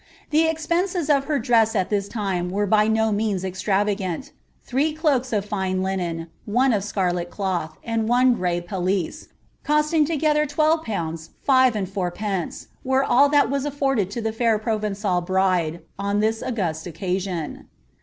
^ The expenses of her dress at this time were by no means extravagant; three cloaks of fine linen, one of ■earlet cloth, and one gray pelisse, costing together twelve pounds five mnd fourpence, were all that was afforded to tlie fair Provencal bride, on this august occasion.